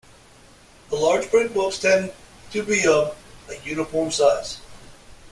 The large print books tend to be of a uniform size.